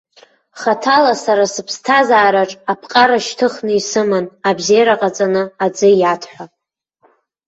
Хаҭала сара сыԥсҭазаараҿ аԥҟара шьҭыхны исыман, абзеира ҟаҵаны аӡы иаҭ ҳәа.